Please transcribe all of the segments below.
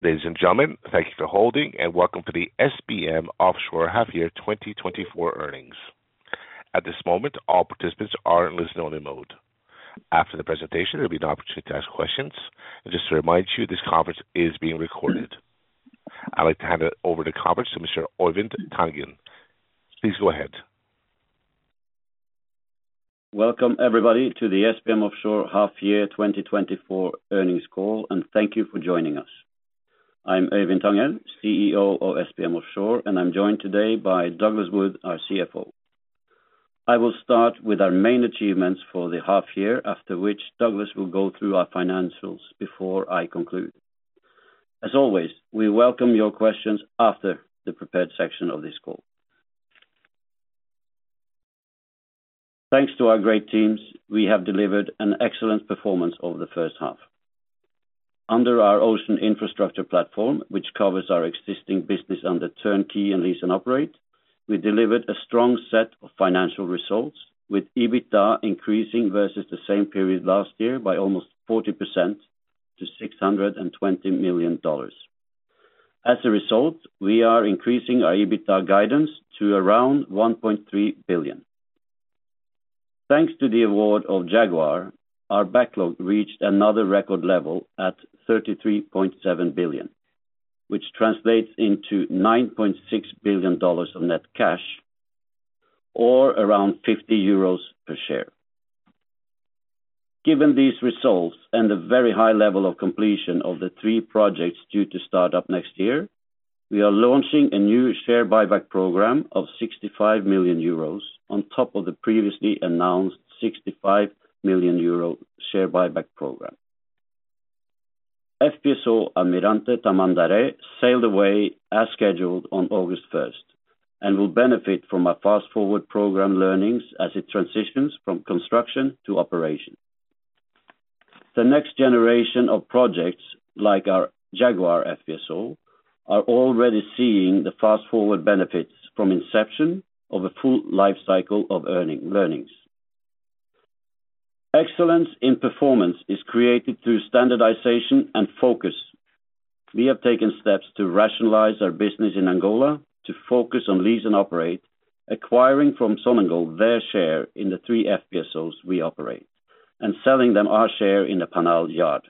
Ladies and gentlemen, thank you for holding and welcome to the SBM Offshore Half Year 2024 Earnings. At this moment, all participants are in listen-only mode. After the presentation, there'll be an opportunity to ask questions. Just to remind you, this conference is being recorded. I'd like to hand it over to our CEO, Mr. Øivind Tangen. Please go ahead. Welcome everybody to the SBM Offshore Half Year 2024 earnings call, and thank you for joining us. I'm Øivind Tangen, CEO of SBM Offshore, and I'm joined today by Douglas Wood, our CFO. I will start with our main achievements for the half year, after which Douglas will go through our financials before I conclude. As always, we welcome your questions after the prepared section of this call. Thanks to our great teams, we have delivered an excellent performance over the first half. Under our ocean infrastructure platform, which covers our existing business under turnkey and lease and operate, we delivered a strong set of financial results, with EBITDA increasing versus the same period last year by almost 40% to $620 million. As a result, we are increasing our EBITDA guidance to around $1.3 billion. Thanks to the award of Jaguar, our backlog reached another record level at $33.7 billion, which translates into $9.6 billion of net cash, or around 50 euros per share. Given these results and the very high level of completion of the three projects due to start up next year, we are launching a new share buyback program of 65 million euros, on top of the previously announced 65 million euro share buyback program. FPSO Almirante Tamandaré sailed away as scheduled on August first, and will benefit from our Fast4Ward program learnings as it transitions from construction to operation. The next generation of projects, like our Jaguar FPSO, are already seeing the Fast4Ward benefits from inception of a full life cycle of earnings learnings. Excellence in performance is created through standardization and focus. We have taken steps to rationalize our business in Angola, to focus on lease and operate, acquiring from Sonangol their share in the three FPSOs we operate, and selling them our share in the Paenal Yard.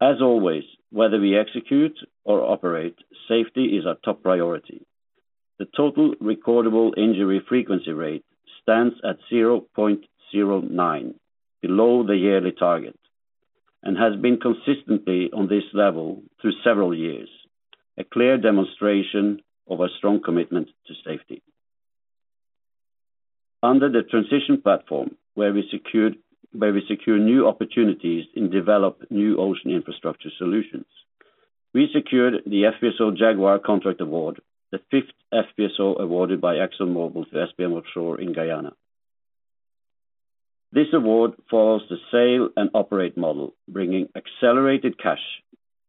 As always, whether we execute or operate, safety is our top priority. The total recordable injury frequency rate stands at 0.09, below the yearly target, and has been consistently on this level through several years, a clear demonstration of our strong commitment to safety. Under the transition platform, where we secured, where we secure new opportunities and develop new ocean infrastructure solutions, we secured the FPSO Jaguar contract award, the fifth FPSO awarded by ExxonMobil to SBM Offshore in Guyana. This award follows the sale and operate model, bringing accelerated cash.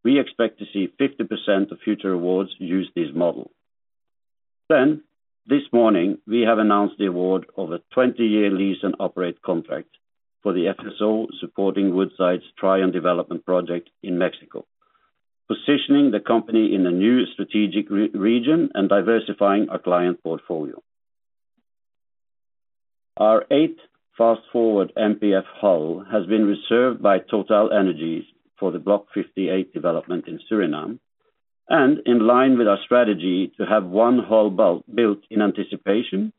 We expect to see 50% of future awards use this model. Then, this morning, we have announced the award of a 20-year lease and operate contract for the FSO, supporting Woodside's Trion development project in Mexico, positioning the company in a new strategic region and diversifying our client portfolio. Our eighth Fast4Ward MPF hull has been reserved by TotalEnergies for the Block 58 development in Suriname, and in line with our strategy to have one hull built in anticipation,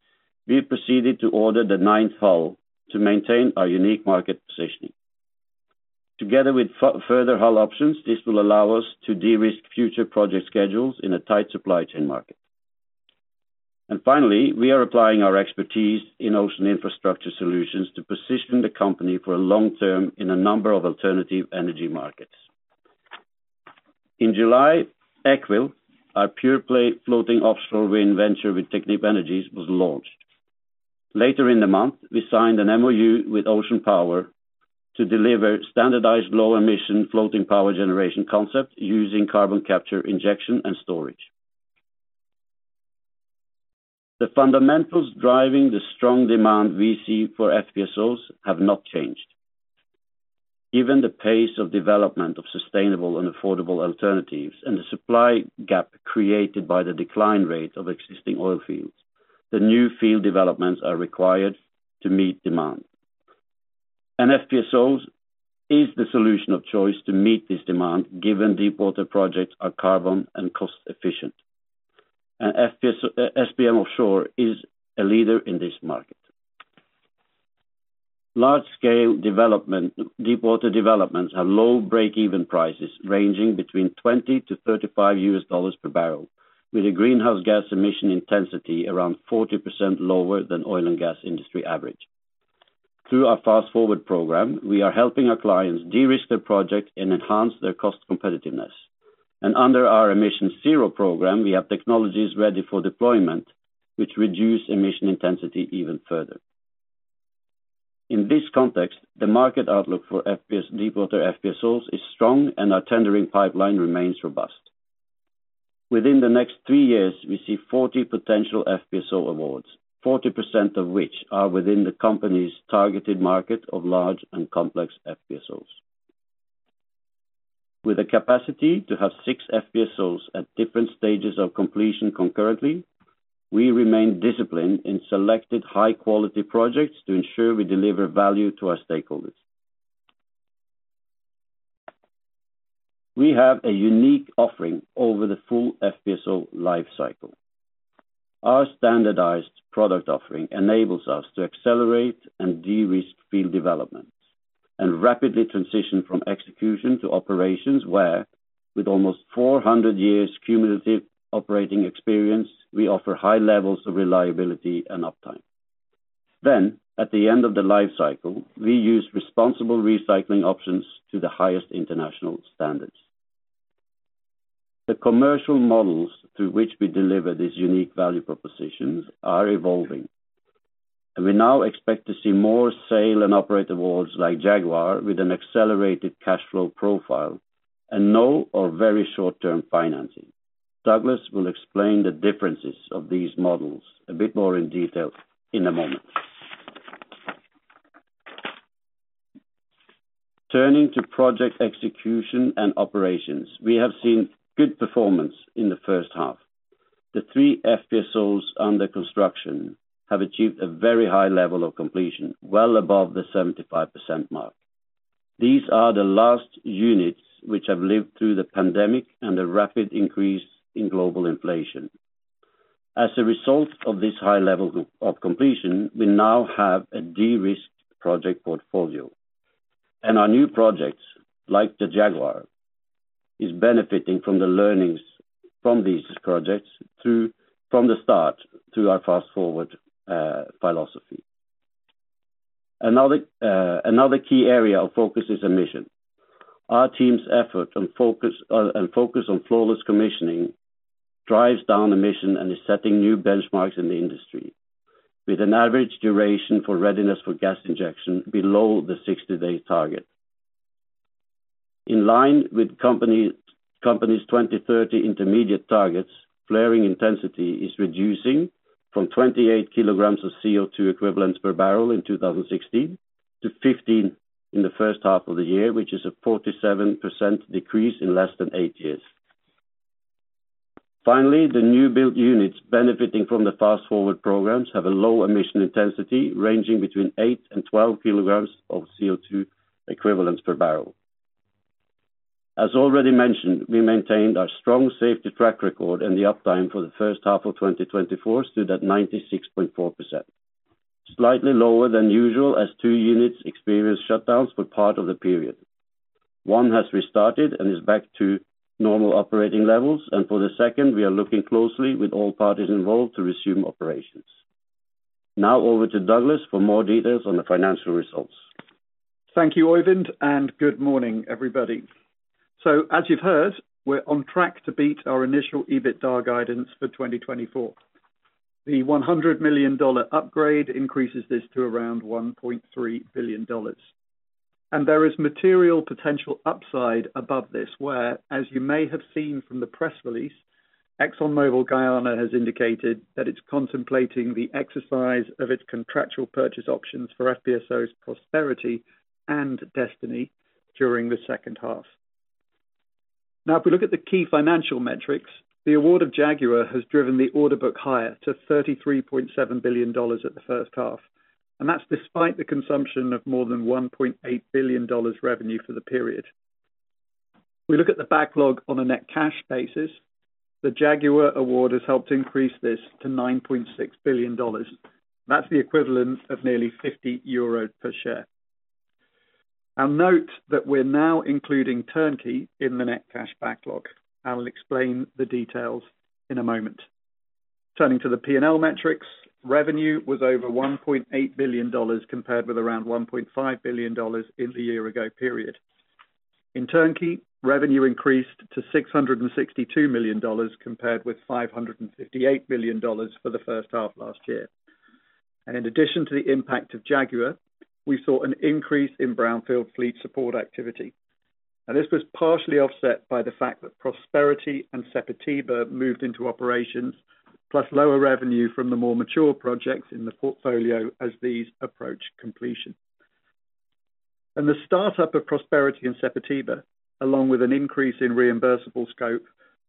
we proceeded to order the ninth hull to maintain our unique market positioning. Together with further hull options, this will allow us to de-risk future project schedules in a tight supply chain market. And finally, we are applying our expertise in ocean infrastructure solutions to position the company for a long term in a number of alternative energy markets. In July, Ekwil, our pure play floating offshore wind venture with Technip Energies, was launched. Later in the month, we signed an MOU with Ocean Power to deliver standardized low-emission floating power generation concept using carbon capture, injection, and storage. The fundamentals driving the strong demand we see for FPSOs have not changed. Given the pace of development of sustainable and affordable alternatives and the supply gap created by the decline rate of existing oil fields, the new field developments are required to meet demand. FPSOs is the solution of choice to meet this demand, given deepwater projects are carbon and cost efficient. FPSO, SBM Offshore is a leader in this market. Large-scale development, deepwater developments have low break-even prices, ranging between $20-$35 per barrel, with a greenhouse gas emission intensity around 40% lower than oil and gas industry average. Through our Fast4Ward program, we are helping our clients de-risk their project and enhance their cost competitiveness. Under our EmissionZERO program, we have technologies ready for deployment, which reduce emission intensity even further. In this context, the market outlook for FPSOs, deepwater FPSOs is strong and our tendering pipeline remains robust. Within the next 3 years, we see 40 potential FPSO awards, 40% of which are within the company's targeted market of large and complex FPSOs. With a capacity to have 6 FPSOs at different stages of completion concurrently, we remain disciplined in selected high quality projects to ensure we deliver value to our stakeholders. We have a unique offering over the full FPSO life cycle. Our standardized product offering enables us to accelerate and de-risk field development, and rapidly transition from execution to operations, where, with almost 400 years cumulative operating experience, we offer high levels of reliability and uptime. Then, at the end of the life cycle, we use responsible recycling options to the highest international standards. The commercial models through which we deliver these unique value propositions are evolving, and we now expect to see more sale and operate awards like Jaguar, with an accelerated cash flow profile and no or very short-term financing. Douglas will explain the differences of these models a bit more in detail in a moment. Turning to project execution and operations, we have seen good performance in the first half. The three FPSOs under construction have achieved a very high level of completion, well above the 75% mark. These are the last units which have lived through the pandemic and a rapid increase in global inflation. As a result of this high level of completion, we now have a de-risked project portfolio, and our new projects, like the Jaguar, is benefiting from the learnings from these projects from the start through our Fast4Ward philosophy. Another key area of focus is emissions. Our team's effort and focus on flawless commissioning drives down emissions and is setting new benchmarks in the industry, with an average duration for readiness for gas injection below the 60-day target. In line with company's 2030 intermediate targets, flaring intensity is reducing from 28 kg of CO2 equivalents per barrel in 2016, to 15 in the first half of the year, which is a 47% decrease in less than 8 years. Finally, the new build units benefiting from the Fast4Ward programs have a low emission intensity, ranging between 8 and 12 kg of CO2 equivalents per barrel. As already mentioned, we maintained our strong safety track record, and the uptime for the first half of 2024 stood at 96.4%. Slightly lower than usual, as 2 units experienced shutdowns for part of the period. One has restarted and is back to normal operating levels, and for the second, we are looking closely with all parties involved to resume operations. Now over to Douglas for more details on the financial results. Thank you, Øyvind, and good morning, everybody. So, as you've heard, we're on track to beat our initial EBITDA guidance for 2024. The $100 million upgrade increases this to around $1.3 billion, and there is material potential upside above this, where, as you may have seen from the press release, ExxonMobil Guyana has indicated that it's contemplating the exercise of its contractual purchase options for FPSOs Prosperity and Destiny during the second half. Now, if we look at the key financial metrics, the award of Jaguar has driven the order book higher to $33.7 billion at the first half, and that's despite the consumption of more than $1 billion revenue for the period. We look at the backlog on a net cash basis, the Jaguar award has helped increase this to $9.6 billion. That's the equivalent of nearly 50 euros per share. Note that we're now including turnkey in the net cash backlog. I will explain the details in a moment. Turning to the P&L metrics, revenue was over $1.8 billion, compared with around $1.5 billion in the year ago period. In turnkey, revenue increased to $662 million, compared with $558 million for the first half last year. In addition to the impact of Jaguar, we saw an increase in brownfield fleet support activity, and this was partially offset by the fact that Prosperity and Sepetiba moved into operations, plus lower revenue from the more mature projects in the portfolio as these approach completion. The startup of Prosperity and Sepetiba, along with an increase in reimbursable scope,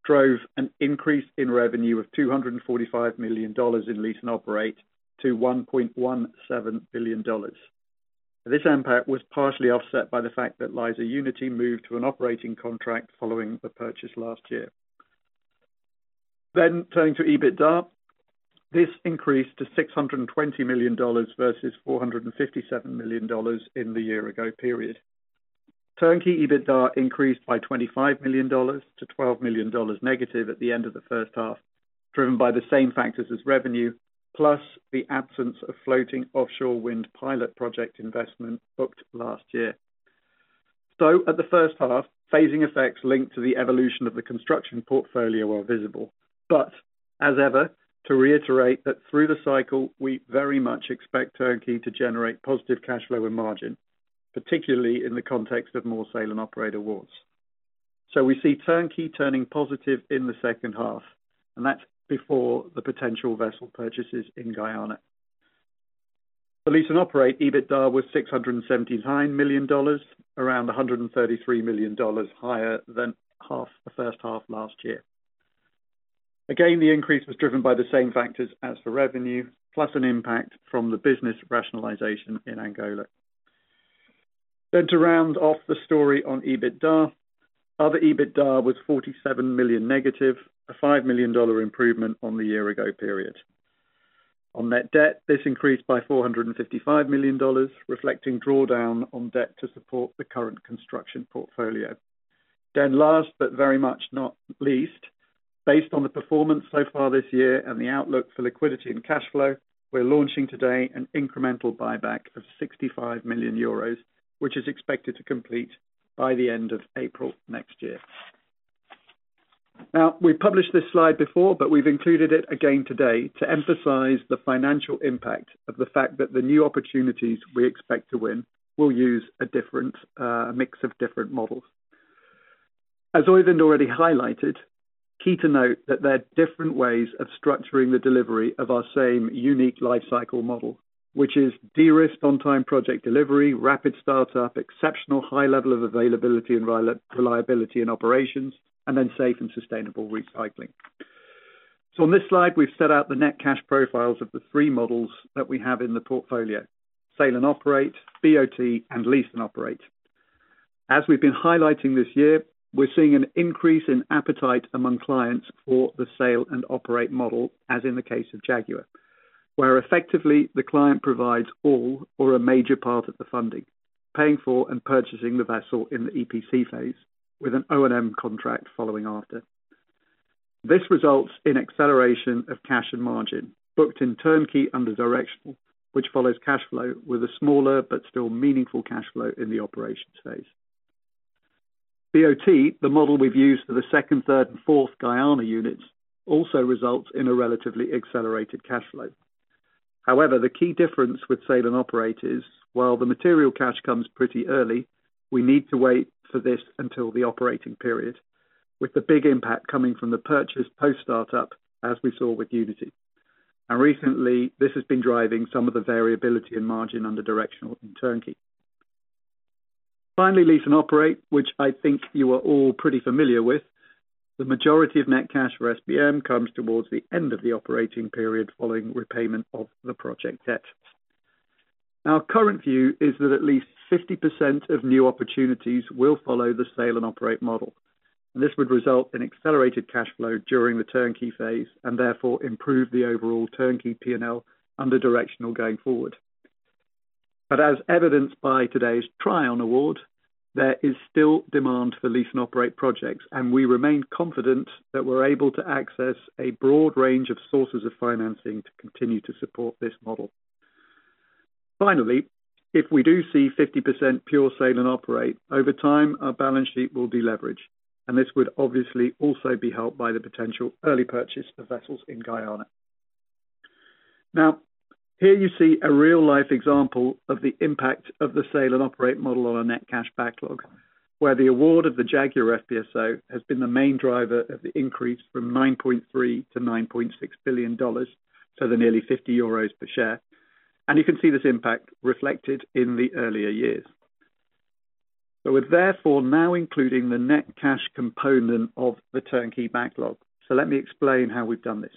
drove an increase in revenue of $245 million in lease and operate to $1.17 billion. This impact was partially offset by the fact that Liza Unity moved to an operating contract following the purchase last year. Turning to EBITDA, this increased to $620 million versus $457 million in the year ago period. Turnkey EBITDA increased by $25 million to -$12 million at the end of the first half, driven by the same factors as revenue, plus the absence of floating offshore wind pilot project investment booked last year. So at the first half, phasing effects linked to the evolution of the construction portfolio were visible, but as ever, to reiterate that through the cycle, we very much expect turnkey to generate positive cash flow and margin, particularly in the context of more sale and operate awards. So we see turnkey turning positive in the second half, and that's before the potential vessel purchases in Guyana. The lease and operate EBITDA was $679 million, around $133 million higher than half the first half last year. Again, the increase was driven by the same factors as the revenue, plus an impact from the business rationalization in Angola. Then to round off the story on EBITDA, other EBITDA was -$47 million, a $5 million improvement on the year-ago period. On net debt, this increased by $455 million, reflecting drawdown on debt to support the current construction portfolio. Then last, but very much not least, based on the performance so far this year and the outlook for liquidity and cash flow, we're launching today an incremental buyback of 65 million euros, which is expected to complete by the end of April next year. Now, we published this slide before, but we've included it again today to emphasize the financial impact of the fact that the new opportunities we expect to win will use a different, mix of different models. As Øivind already highlighted, key to note that there are different ways of structuring the delivery of our same unique lifecycle model, which is de-risk on time project delivery, rapid start-up, exceptional high level of availability and reliability in operations, and then safe and sustainable recycling. So in this slide, we've set out the net cash profiles of the three models that we have in the portfolio: sale and operate, BOT, and lease and operate. As we've been highlighting this year, we're seeing an increase in appetite among clients for the sale and operate model, as in the case of Jaguar, where effectively the client provides all or a major part of the funding, paying for and purchasing the vessel in the EPC phase with an O&M contract following after. This results in acceleration of cash and margin, booked in turnkey under directional, which follows cash flow with a smaller but still meaningful cash flow in the operations phase. BOT, the model we've used for the second, third and fourth Guyana units, also results in a relatively accelerated cash flow. However, the key difference with sale and operate is, while the material cash comes pretty early, we need to wait for this until the operating period, with the big impact coming from the purchase post-start up, as we saw with Unity. And recently, this has been driving some of the variability and margin under directional and turnkey. Finally, lease and operate, which I think you are all pretty familiar with. The majority of net cash for SBM comes towards the end of the operating period following repayment of the project debt. Our current view is that at least 50% of new opportunities will follow the sale and operate model. This would result in accelerated cash flow during the turnkey phase and therefore improve the overall turnkey P&L under directional going forward. But as evidenced by today's Trion award, there is still demand for lease and operate projects, and we remain confident that we're able to access a broad range of sources of financing to continue to support this model. Finally, if we do see 50% pure sale and operate, over time, our balance sheet will deleverage, and this would obviously also be helped by the potential early purchase of vessels in Guyana. Now, here you see a real-life example of the impact of the sale and operate model on our net cash backlog, where the award of the FPSO Jaguar has been the main driver of the increase from $9.3 billion-$9.6 billion, so nearly 50 euros per share. And you can see this impact reflected in the earlier years. So we're therefore now including the net cash component of the turnkey backlog. So let me explain how we've done this.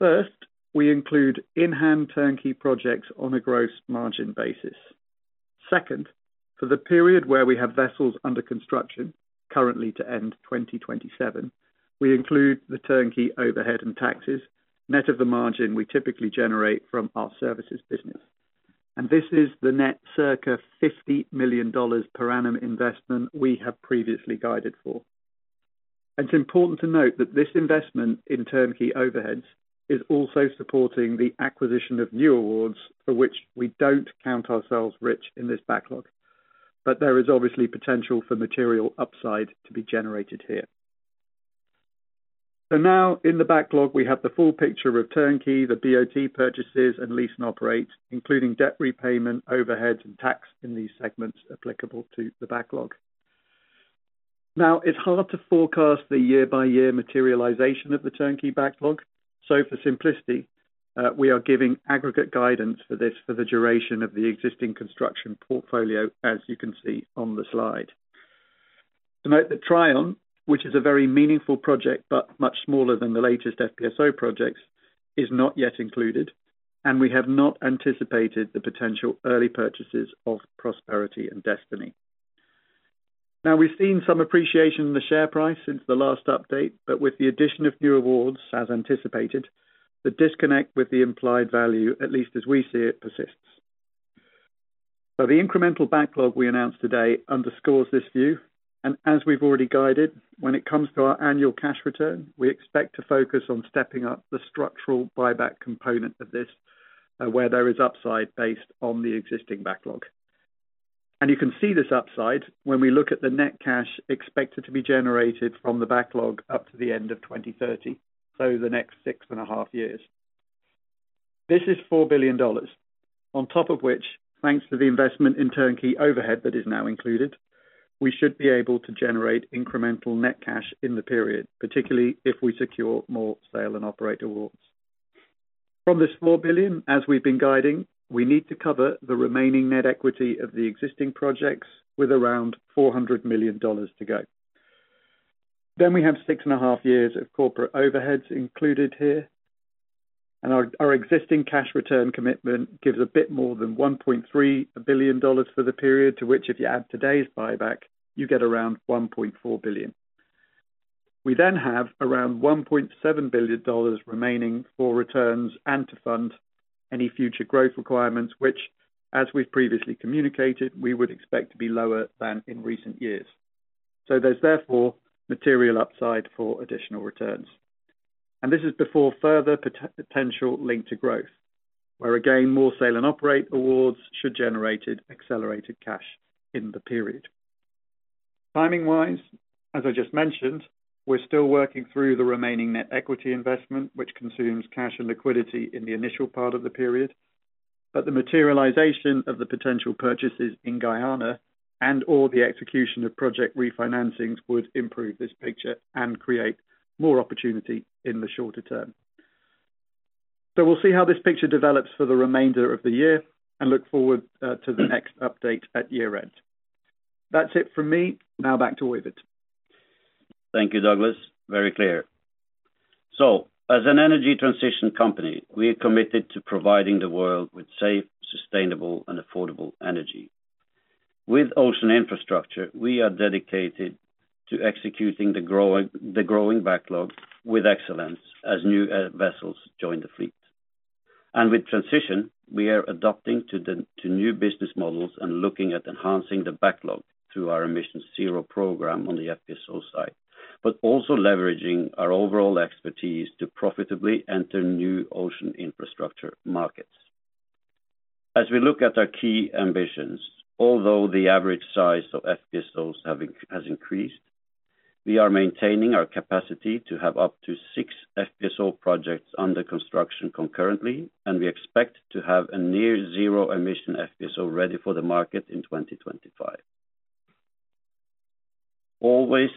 First, we include in-hand turnkey projects on a gross margin basis. Second, for the period where we have vessels under construction, currently to end 2027, we include the turnkey overhead and taxes, net of the margin we typically generate from our services business. And this is the net circa $50 million per annum investment we have previously guided for. It's important to note that this investment in turnkey overheads is also supporting the acquisition of new awards, for which we don't count ourselves rich in this backlog, but there is obviously potential for material upside to be generated here. So now, in the backlog, we have the full picture of turnkey, the BOT purchases, and lease and operate, including debt repayment, overheads and tax in these segments applicable to the backlog. Now, it's hard to forecast the year-by-year materialization of the turnkey backlog, so for simplicity, we are giving aggregate guidance for this for the duration of the existing construction portfolio, as you can see on the slide. To note that Triumph, which is a very meaningful project but much smaller than the latest FPSO projects, is not yet included, and we have not anticipated the potential early purchases of Prosperity and Destiny. Now, we've seen some appreciation in the share price since the last update, but with the addition of new awards, as anticipated, the disconnect with the implied value, at least as we see it, persists. So the incremental backlog we announced today underscores this view, and as we've already guided, when it comes to our annual cash return, we expect to focus on stepping up the structural buyback component of this, where there is upside based on the existing backlog. And you can see this upside when we look at the net cash expected to be generated from the backlog up to the end of 2030, so the next six and a half years.... This is $4 billion, on top of which, thanks to the investment in turnkey overhead that is now included, we should be able to generate incremental net cash in the period, particularly if we secure more sale and operate awards. From this $4 billion, as we've been guiding, we need to cover the remaining net equity of the existing projects with around $400 million to go. Then we have 6.5 years of corporate overheads included here, and our existing cash return commitment gives a bit more than $1.3 billion for the period, to which if you add today's buyback, you get around $1.4 billion. We then have around $1.7 billion remaining for returns and to fund any future growth requirements, which, as we've previously communicated, we would expect to be lower than in recent years. So there's therefore material upside for additional returns. And this is before further potential link to growth, where, again, more sale and operate awards should generate accelerated cash in the period. Timing-wise, as I just mentioned, we're still working through the remaining net equity investment, which consumes cash and liquidity in the initial part of the period, but the materialization of the potential purchases in Guyana and or the execution of project refinancings would improve this picture and create more opportunity in the shorter term. So we'll see how this picture develops for the remainder of the year and look forward to the next update at year-end. That's it from me. Now back to Øivind. Thank you, Douglas. Very clear. So as an energy transition company, we are committed to providing the world with safe, sustainable, and affordable energy. With ocean infrastructure, we are dedicated to executing the growing backlog with excellence as new vessels join the fleet. And with transition, we are adapting to new business models and looking at enhancing the backlog through our Emission Zero program on the FPSO side, but also leveraging our overall expertise to profitably enter new ocean infrastructure markets. As we look at our key ambitions, although the average size of FPSOs has increased, we are maintaining our capacity to have up to six FPSO projects under construction concurrently, and we expect to have a near zero emission FPSO ready for the market in 2025. Always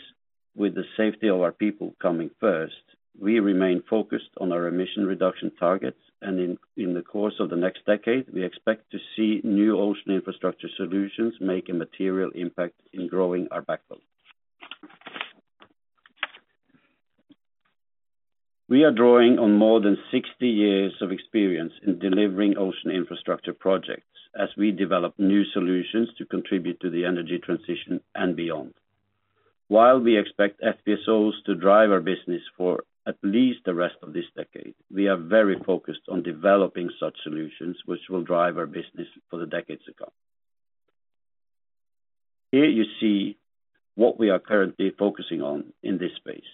with the safety of our people coming first, we remain focused on our emission reduction targets, and in the course of the next decade, we expect to see new ocean infrastructure solutions make a material impact in growing our backlog. We are drawing on more than 60 years of experience in delivering ocean infrastructure projects as we develop new solutions to contribute to the energy transition and beyond. While we expect FPSOs to drive our business for at least the rest of this decade, we are very focused on developing such solutions, which will drive our business for the decades to come. Here you see what we are currently focusing on in this space.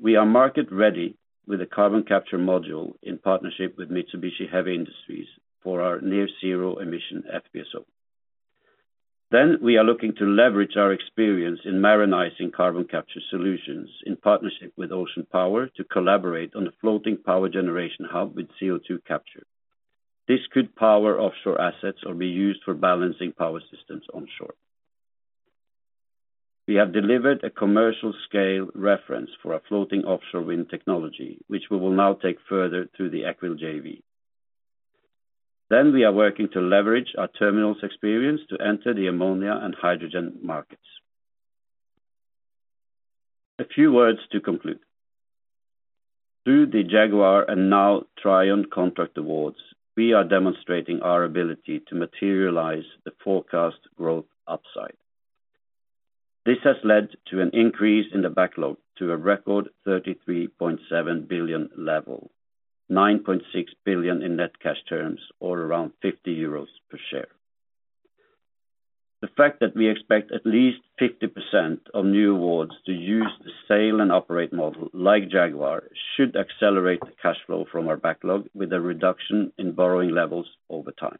We are market ready with a carbon capture module in partnership with Mitsubishi Heavy Industries for our near zero emission FPSO. Then we are looking to leverage our experience in marinizing carbon capture solutions in partnership with Ocean Power to collaborate on a floating power generation hub with CO2 capture. This could power offshore assets or be used for balancing power systems on shore. We have delivered a commercial scale reference for our floating offshore wind technology, which we will now take further through the Ekwil JV. Then we are working to leverage our terminals experience to enter the ammonia and hydrogen markets. A few words to conclude: Through the Jaguar and now Trion contract awards, we are demonstrating our ability to materialize the forecast growth upside. This has led to an increase in the backlog to a record $33.7 billion level, $9.6 billion in net cash terms, or around 50 euros per share. The fact that we expect at least 50% of new awards to use the sale and operate model like Jaguar, should accelerate the cash flow from our backlog with a reduction in borrowing levels over time.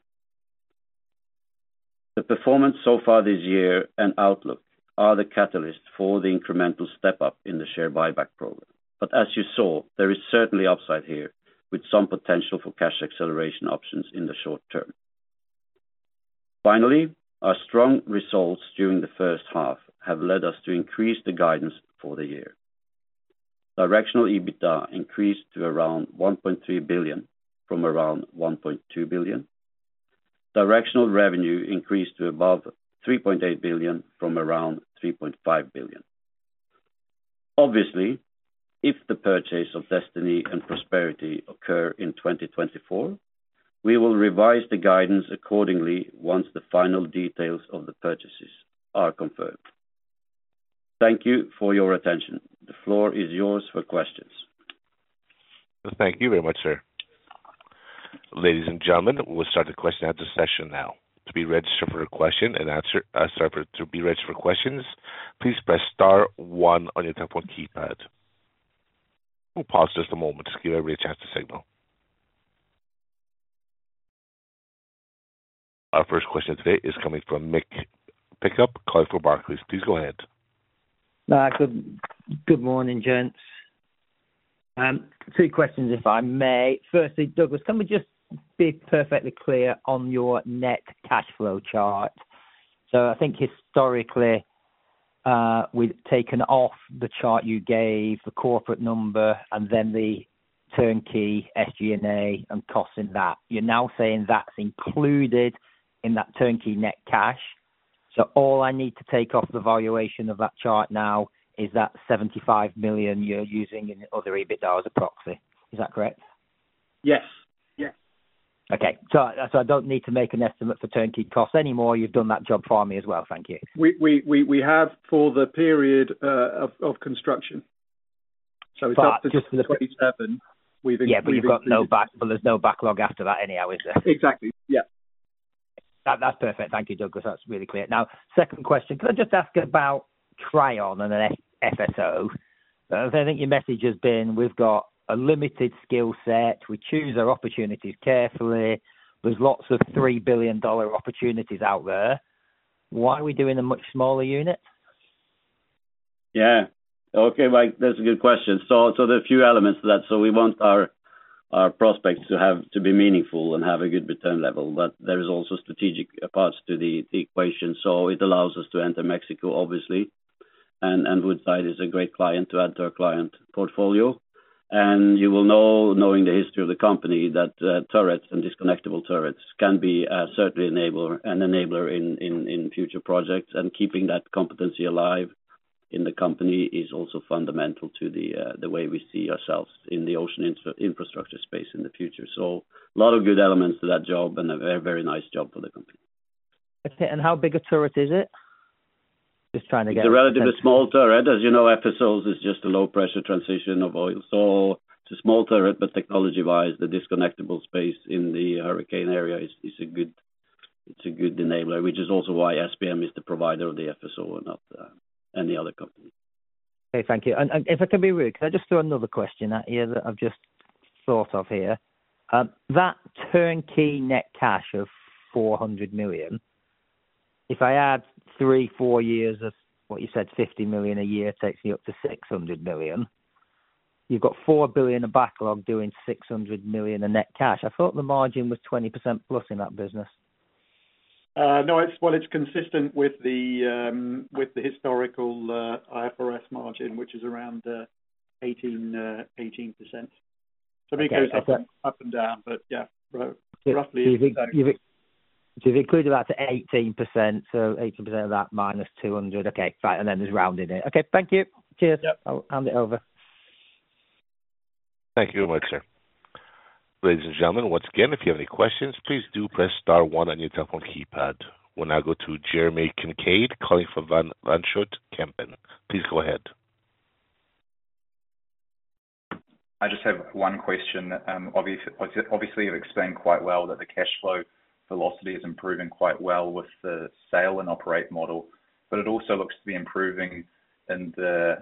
The performance so far this year and outlook are the catalysts for the incremental step up in the share buyback program. But as you saw, there is certainly upside here, with some potential for cash acceleration options in the short term. Finally, our strong results during the first half have led us to increase the guidance for the year. Directional EBITDA increased to around $1.3 billion from around $1.2 billion. Directional revenue increased to above $3.8 billion from around $3.5 billion. Obviously, if the purchase of Destiny and Prosperity occur in 2024, we will revise the guidance accordingly once the final details of the purchases are confirmed. Thank you for your attention. The floor is yours for questions. Thank you very much, sir. Ladies and gentlemen, we'll start the question and answer session now. To be registered for a question and answer, sorry, to be registered for questions, please press star one on your telephone keypad. We'll pause just a moment to give everybody a chance to signal... Our first question today is coming from Mick Pickup, Barclays. Please go ahead. Good, good morning, gents. Two questions, if I may. Firstly, Douglas, can we just be perfectly clear on your net cash flow chart? So I think historically, we've taken off the chart you gave, the corporate number, and then the turnkey SG&A and costing that. You're now saying that's included in that turnkey net cash. So all I need to take off the valuation of that chart now is that $75 million you're using in other EBITDA as a proxy. Is that correct? Yes. Yes. Okay. So I don't need to make an estimate for turnkey costs anymore. You've done that job for me as well. Thank you. We have for the period of construction. So it's up to 27- Yeah, but there's no backlog after that anyhow, is there? Exactly. Yeah. That, that's perfect. Thank you, Douglas. That's really clear. Now, second question. Can I just ask about Trion and an FSO? I think your message has been, we've got a limited skill set. We choose our opportunities carefully. There's lots of $3 billion opportunities out there. Why are we doing a much smaller unit? Yeah. Okay, Mike, that's a good question. So, so there are a few elements to that. So we want our, our prospects to have to be meaningful and have a good return level, but there is also strategic parts to the, the equation. So it allows us to enter Mexico, obviously, and, and Woodside is a great client to add to our client portfolio. And you will know, knowing the history of the company, that, turrets and disconnectable turrets can be certainly enabler, an enabler in, in, in future projects. And keeping that competency alive in the company is also fundamental to the, the way we see ourselves in the ocean infrastructure space in the future. So a lot of good elements to that job and a very, very nice job for the company. Okay, and how big a turret is it? Just trying to get- It's a relatively small turret. As you know, FSOs is just a low pressure transition of oil. So it's a small turret, but technology wise, the disconnectable space in the hurricane area is a good enabler, which is also why SPM is the provider of the FSO and not any other company. Okay, thank you. And, and if I can be rude, can I just throw another question at you that I've just thought of here? That turnkey net cash of $400 million, if I add 3-4 years of what you said, $50 million a year, takes me up to $600 million. You've got $4 billion in backlog, doing $600 million in net cash. I thought the margin was 20%+ in that business. No, it's—well, it's consistent with the historical IFRS margin, which is around 18, 18%. So it goes up and down, but yeah, roughly. So you've included that 18%, so 18% of that -200. Okay, fine, and then there's rounding it. Okay, thank you. Cheers. Yep. I'll hand it over. Thank you very much, sir. Ladies and gentlemen, once again, if you have any questions, please do press star one on your telephone keypad. We'll now go to Jeremy Kincaid, calling from Van Lanschot Kempen. Please go ahead. I just have one question. Obviously, you've explained quite well that the cash flow velocity is improving quite well with the sale and operate model, but it also looks to be improving in the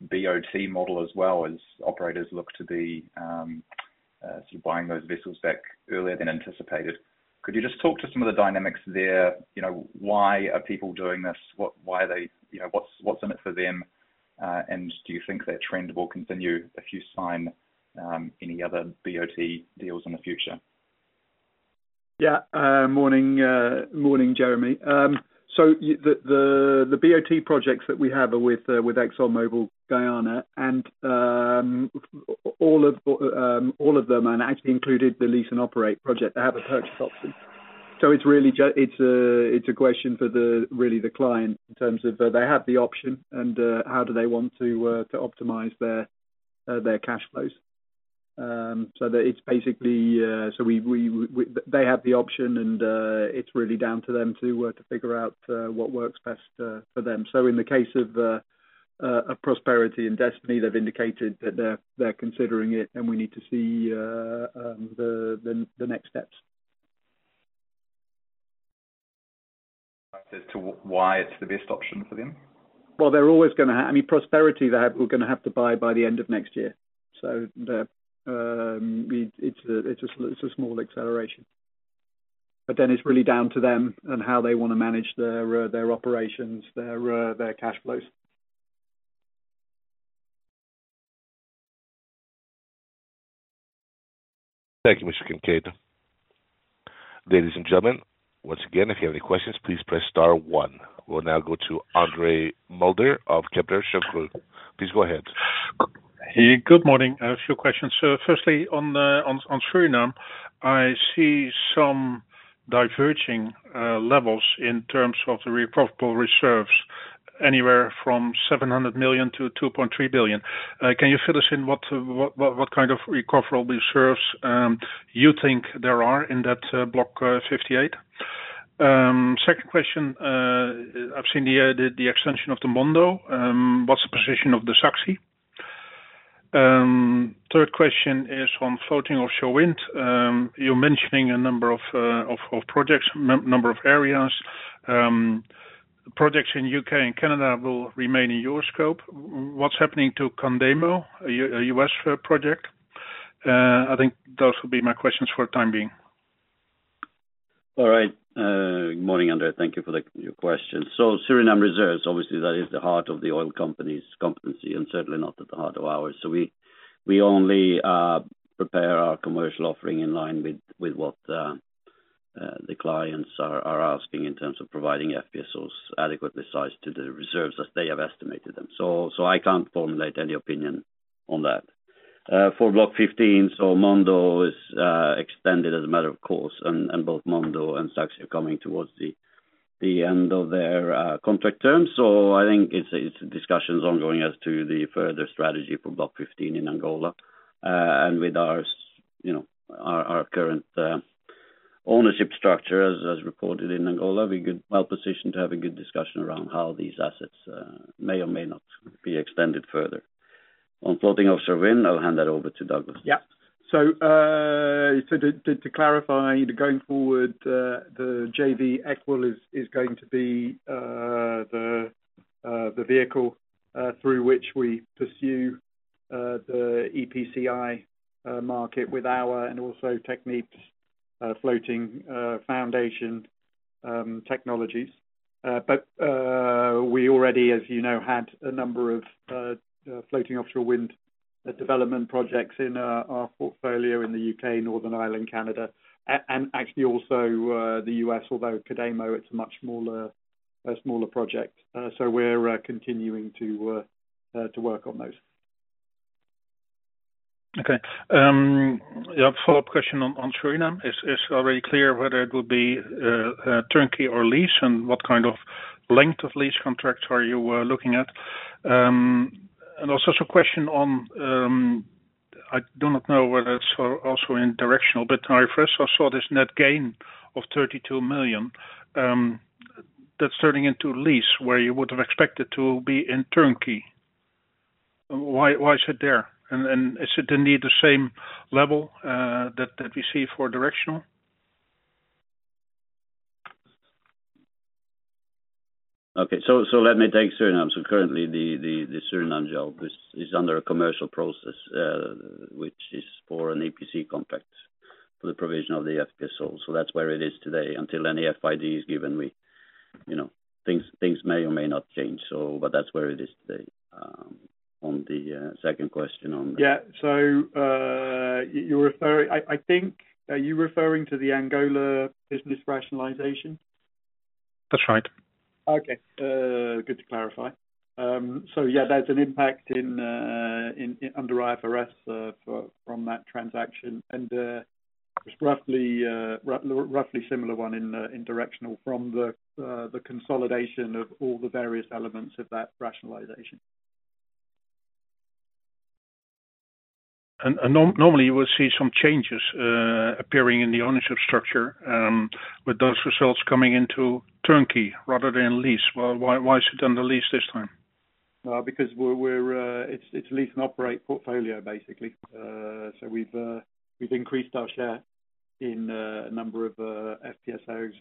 BOT model as well as operators look to be sort of buying those vessels back earlier than anticipated. Could you just talk to some of the dynamics there? You know, why are people doing this? What... Why are they, you know, what's in it for them? And do you think that trend will continue if you sign any other BOT deals in the future? Yeah. Morning, morning, Jeremy. So the BOT projects that we have are with ExxonMobil Guyana, and all of them and actually included the lease and operate project, they have a purchase option. So it's really it's a question for really the client, in terms of, they have the option and how do they want to optimize their cash flows. So that it's basically so we they have the option, and it's really down to them to figure out what works best for them. So in the case of Prosperity and Destiny, they've indicated that they're considering it, and we need to see the next steps. As to why it's the best option for them? Well, they're always gonna – I mean, Prosperity, they have – we're gonna have to buy by the end of next year. So, it's a small acceleration. But then it's really down to them on how they wanna manage their operations, their cash flows. Thank you, Mr. Kincaid. Ladies and gentlemen, once again, if you have any questions, please press star one. We'll now go to Andre Mulder of Kepler Cheuvreux. Please go ahead. Hey, good morning. I have a few questions. So firstly, on Suriname, I see some diverging levels in terms of the reprofitable reserves, anywhere from 700 million to 2.3 billion. Can you fill us in, what kind of recoverable reserves you think there are in that Block 58? Second question, I've seen the extension of the Mondo. What's the position of the Saxi? Third question is on floating offshore wind. You're mentioning a number of projects, number of areas. Projects in U.K. and Canada will remain in your scope. What's happening to Codemo, a U.S. project?... I think those will be my questions for the time being. All right, good morning, Andre, thank you for your question. So Suriname reserves, obviously that is the heart of the oil company's competency, and certainly not at the heart of ours. So we only prepare our commercial offering in line with what the clients are asking in terms of providing FPSOs adequately sized to the reserves as they have estimated them. So I can't formulate any opinion on that. For Block 15, so Mondo is extended as a matter of course, and both Mondo and Saxi are coming towards the end of their contract terms. So I think it's discussions ongoing as to the further strategy for Block 15 in Angola. With our, you know, our current ownership structure as reported in Angola, we're well positioned to have a good discussion around how these assets may or may not be extended further. On floating offshore wind, I'll hand that over to Douglas. Yeah. So to clarify, going forward, the JV Ekwil is going to be the vehicle through which we pursue the EPCI market with our and also Technip Energies floating foundation technologies. But we already, as you know, had a number of floating offshore wind development projects in our portfolio in the U.K., Northern Ireland, Canada, and actually also the U.S. although Cademo, it's a much smaller project. So we're continuing to work on those. Okay. Yeah, a follow-up question on Suriname. Is already clear whether it will be a turnkey or lease, and what kind of length of lease contracts are you looking at? And also a question on, I do not know whether it's also in directional, but first I saw this net gain of $32 million, that's turning into lease, where you would have expected to be in turnkey. Why is it there? And is it indeed the same level that we see for directional? Okay. So let me take Suriname. So currently the Suriname job is under a commercial process, which is for an EPC contract for the provision of the FPSO. So that's where it is today, until any FID is given, you know, things may or may not change, but that's where it is today. On the second question on- Yeah. So, you're referring... I think, are you referring to the Angola business rationalization? That's right. Okay. Good to clarify. So yeah, there's an impact under IFRS from that transaction, and it's roughly similar in direction from the consolidation of all the various elements of that rationalization. And normally, you will see some changes appearing in the ownership structure with those results coming into turnkey rather than lease. Well, why, why is it under lease this time? Because we're, it's a lease and operate portfolio, basically. So we've increased our share in a number of FPSOs,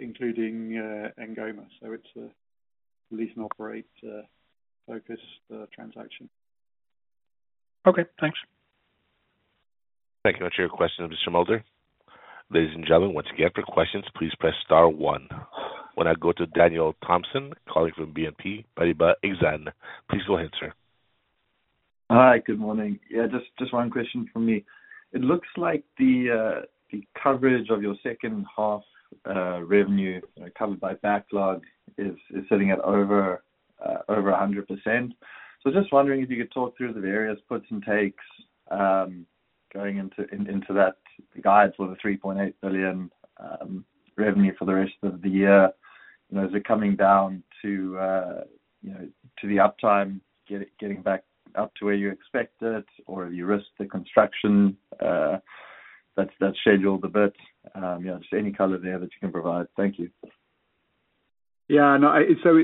including N'Goma. So it's a lease and operate focus transaction. Okay, thanks. Thank you much for your question, Mr. Mulder. Ladies and gentlemen, once again, for questions, please press star one. We'll now go to Daniel Thompson, calling from BNP Paribas Exane. Please go ahead, sir. Hi, good morning. Yeah, just one question from me. It looks like the coverage of your second half revenue covered by backlog is sitting at over 100%. So just wondering if you could talk through the various puts and takes going into that guide for the $3.8 billion revenue for the rest of the year. You know, is it coming down to you know, to the uptime, getting back up to where you expect it, or you risk the construction that's scheduled a bit? Yeah, just any color there that you can provide. Thank you. Yeah, no, so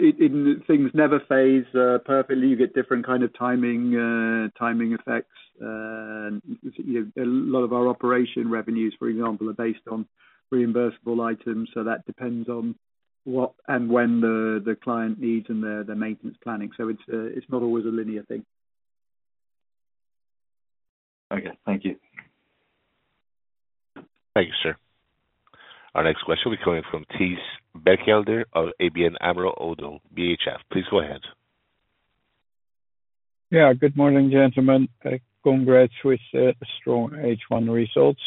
things never phase perfectly. You get different kind of timing, timing effects. A lot of our operation revenues, for example, are based on reimbursable items, so that depends on what and when the client needs and the maintenance planning. So it's not always a linear thing. Okay. Thank you. Thank you, sir. Our next question will be coming from Thijs Berkelder of ABN AMRO ODDO BHF. Please go ahead. Yeah, good morning, gentlemen. Congrats with strong H1 results.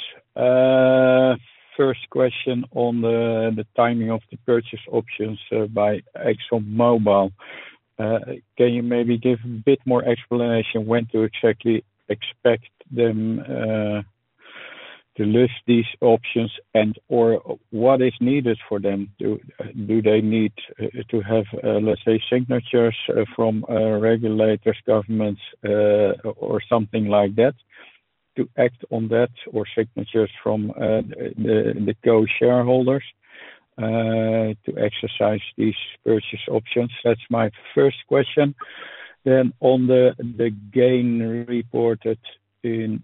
First question on the timing of the purchase options by ExxonMobil. Can you maybe give a bit more explanation when to exactly expect them to list these options, and or what is needed for them? Do they need to have, let's say, signatures from regulators, governments, or something like that, to act on that, or signatures from the co-shareholders to exercise these purchase options? That's my first question. Then on the gain reported in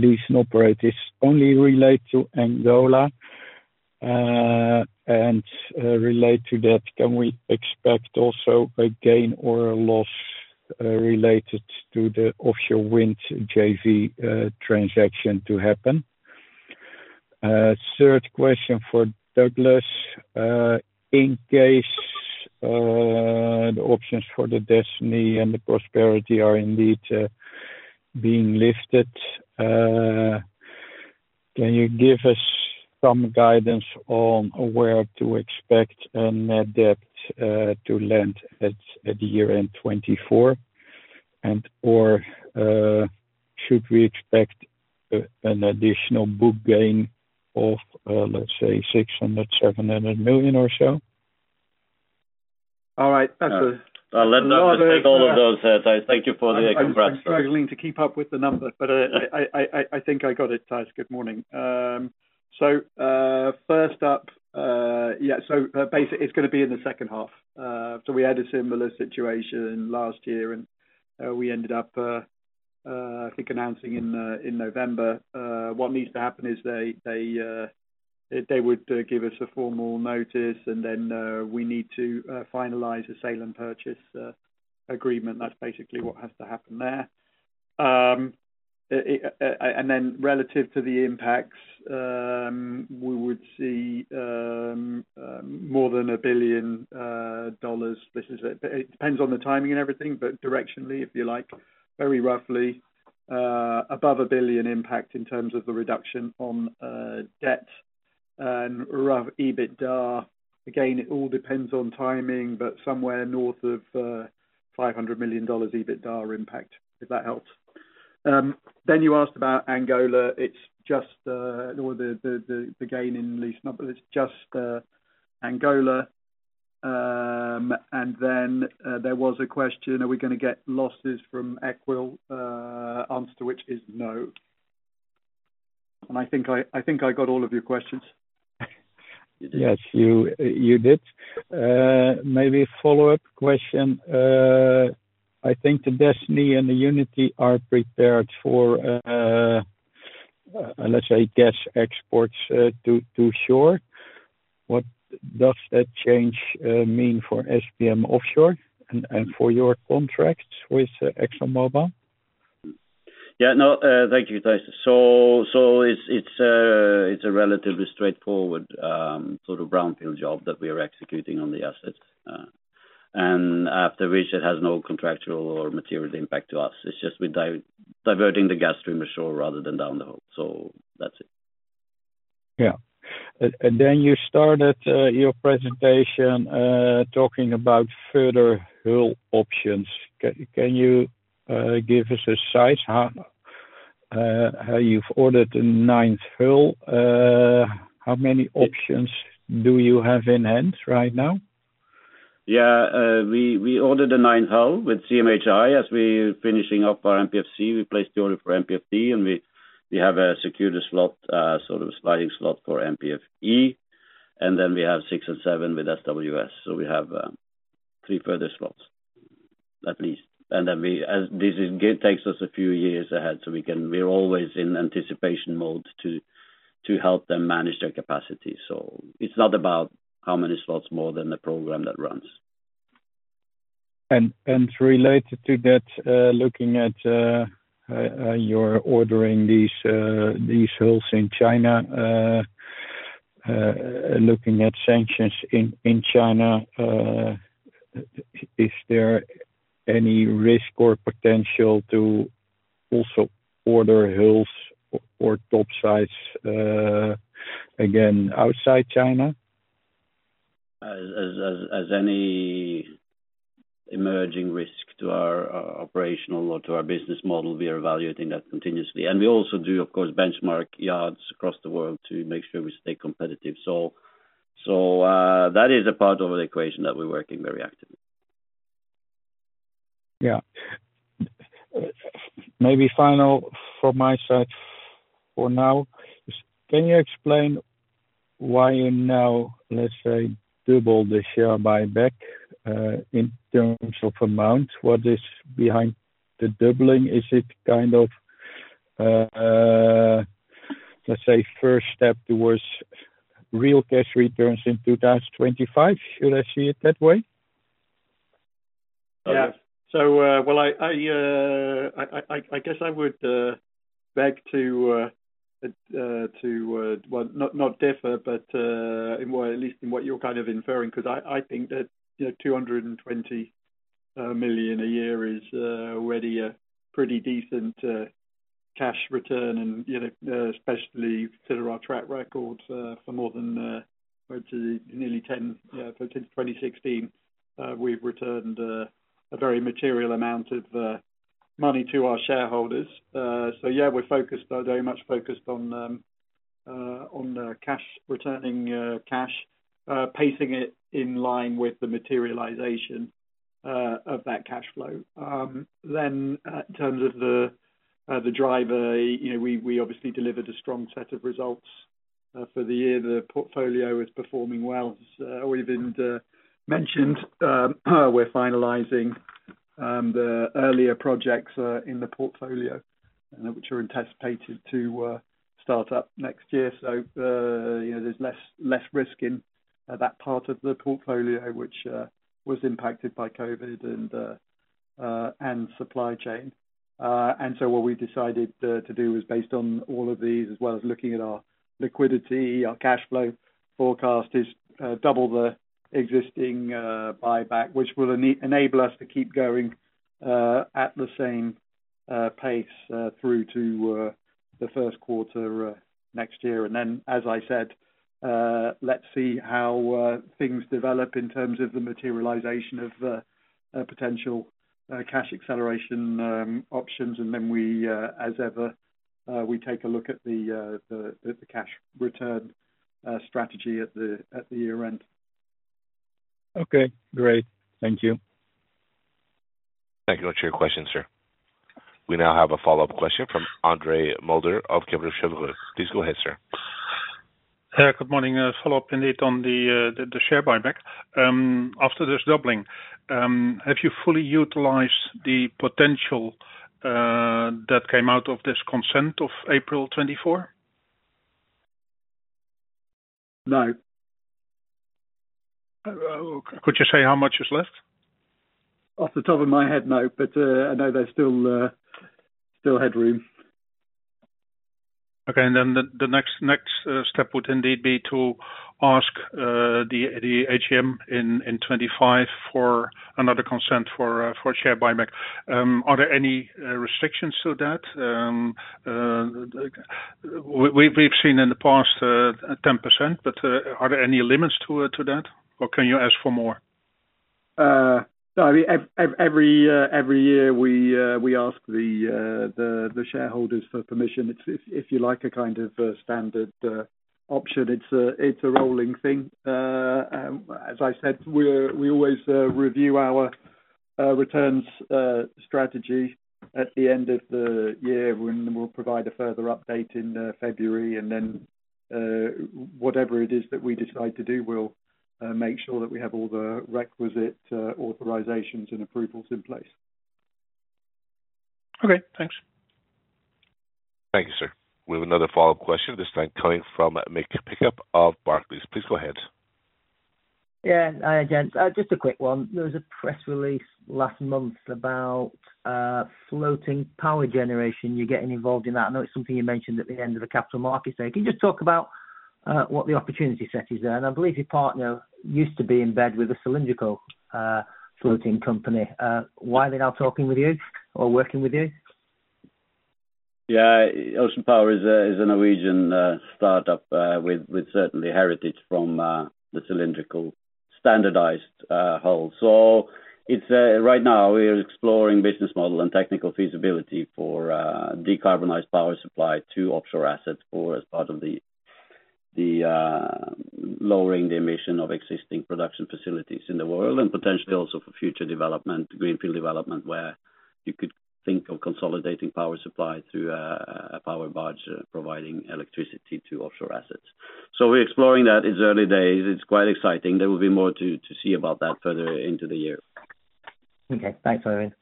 lease and operate, this only relate to Angola?... and relate to that, can we expect also a gain or a loss related to the offshore wind JV transaction to happen? Third question for Douglas. In case the options for the Destiny and the Prosperity are indeed being lifted, can you give us some guidance on where to expect a net debt to land at the year-end 2024? And/or, should we expect an additional book gain of, let's say, $600 million-$700 million or so? All right, that's a- Well, let's take all of those, as I thank you for the congrats. I'm struggling to keep up with the numbers, but I think I got it, Thijs. Good morning. First up, yeah, so basically it's gonna be in the second half. So we had a similar situation last year, and we ended up, I think announcing in November. What needs to happen is they would give us a formal notice, and then we need to finalize a sale and purchase agreement. That's basically what has to happen there. And then relative to the impacts, we would see more than $1 billion. This is, it depends on the timing and everything, but directionally, if you like, very roughly, above $1 billion impact in terms of the reduction on debt and rough EBITDA. Again, it all depends on timing, but somewhere north of $500 million EBITDA impact, if that helps. Then you asked about Angola. It's just all the gain in lease, no, but it's just Angola. And then there was a question, are we gonna get losses from Ekwil? Answer to which is no. And I think I got all of your questions. Yes, you, you did. Maybe a follow-up question. I think the Destiny and the Unity are prepared for, let's say, gas exports to shore. What does that change mean for SBM Offshore and for your contracts with ExxonMobil? Yeah, no, thank you, Thijs. So it's a relatively straightforward sort of brownfield job that we are executing on the assets. And after which it has no contractual or material impact to us. It's just we're diverting the gas stream ashore rather than down the hole. So that's it. Yeah. And then you started your presentation talking about further hull options. Can you give us a size, how you've ordered the ninth hull? How many options do you have in hand right now? Yeah. We ordered the ninth hull with CMHI. As we finishing up our MPFC, we placed the order for MPFD, and we have a security slot, sort of sliding slot for MPFE, and then we have six and seven with SWS. So we have three further slots, at least. And then we, as this is, takes us a few years ahead, so we can—we're always in anticipation mode to help them manage their capacity. So it's not about how many slots more than the program that runs. And related to that, looking at your ordering these hulls in China, looking at sanctions in China, is there any risk or potential to also order hulls or topsides again outside China? As any emerging risk to our operational or to our business model, we are evaluating that continuously. We also do, of course, benchmark yards across the world to make sure we stay competitive. That is a part of the equation that we're working very actively. Yeah. Maybe final from my side for now, can you explain why you now, let's say, double the share buyback, in terms of amounts? What is behind the doubling? Is it kind of, let's say, first step towards real cash returns in 2025? Should I see it that way? Yeah. So, well, I guess I would beg to, well, not differ, but in what at least in what you're kind of inferring, 'cause I think that, you know, $220 million a year is already a pretty decent cash return. And, you know, especially consider our track record for more than went to nearly 10 since 2016, we've returned a very material amount of money to our shareholders. So yeah, we're focused, though very much focused on the cash, returning cash, pacing it in line with the materialization of that cash flow. Then, in terms of the driver, you know, we, we obviously delivered a strong set of results for the year. The portfolio is performing well. As already been mentioned, we're finalizing the earlier projects in the portfolio, and which are anticipated to start up next year. So, you know, there's less, less risk in that part of the portfolio, which was impacted by COVID and supply chain. And so what we decided to do was based on all of these, as well as looking at our liquidity, our cash flow forecast, is double the existing buyback, which will enable us to keep going at the same pace through to the first quarter next year. And then, as I said, let's see how things develop in terms of the materialization of a potential cash acceleration options. And then, as ever, we take a look at the cash return strategy at the year end. Okay, great. Thank you. Thank you much for your question, sir. We now have a follow-up question from Andre Mulder of Kepler Cheuvreux. Please go ahead, sir. Good morning. A follow-up indeed on the share buyback. After this doubling, have you fully utilized the potential that came out of this consent of April 2024? No. Could you say how much is left? Off the top of my head, no, but I know there's still headroom. Okay, and then the next step would indeed be to ask the AGM in 2025 for another consent for share buyback. Are there any restrictions to that? We've seen in the past 10%, but are there any limits to that, or can you ask for more? No, I mean, every year, we ask the shareholders for permission. It's, if you like, a kind of standard option. It's a rolling thing. As I said, we're, we always review our returns strategy at the end of the year when we'll provide a further update in February, and then, whatever it is that we decide to do, we'll make sure that we have all the requisite authorizations and approvals in place. Okay, thanks. Thank you, sir. We have another follow-up question, this time coming from Mick Pickup of Barclays. Please go ahead. Yeah, hi, gents. Just a quick one. There was a press release last month about floating power generation. You getting involved in that? I know it's something you mentioned at the end of the capital markets day. Can you just talk about what the opportunity set is there? And I believe your partner used to be in bed with a cylindrical floating company. Why are they now talking with you or working with you? Yeah. Ocean Power is a Norwegian startup with certainly heritage from the cylindrical standardized hull. So it's right now we are exploring business model and technical feasibility for decarbonized power supply to offshore assets or as part of the lowering the emission of existing production facilities in the world, and potentially also for future development, greenfield development, where you could think of consolidating power supply through a power barge providing electricity to offshore assets. So we're exploring that. It's early days. It's quite exciting. There will be more to see about that further into the year. Okay, thanks, Øivind.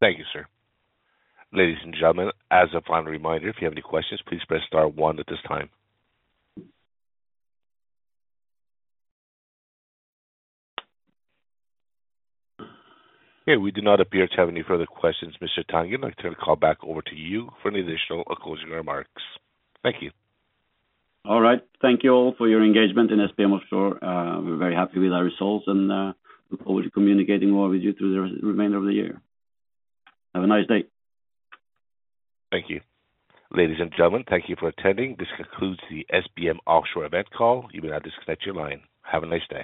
Thank you, sir. Ladies and gentlemen, as a final reminder, if you have any questions, please press star one at this time. Okay, we do not appear to have any further questions. Mr. Tangen, I'd like to turn the call back over to you for any additional or closing remarks. Thank you. All right. Thank you all for your engagement in SBM Offshore. We're very happy with our results, and look forward to communicating more with you through the remainder of the year. Have a nice day. Thank you. Ladies and gentlemen, thank you for attending. This concludes the SBM Offshore event call. You may now disconnect your line. Have a nice day.